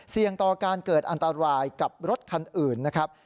ต่อการเกิดอันตรายกับรถคันอื่นนะครับ